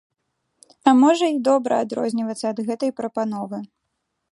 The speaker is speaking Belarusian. А можа і добра адрознівацца ад гэтай прапановы.